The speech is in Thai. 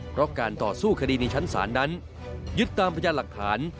เพราะการต่อสู้คดีในชั้นศาลนั้นยึดตามพยานหลักฐาน